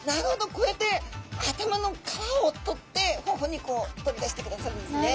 こうやって頭の皮を取ってほほ肉を取り出してくださるんですね。